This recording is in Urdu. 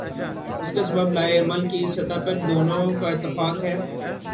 اس کا سبب لائحہ عمل کی سطح پر دونوں کا اتفاق ہے۔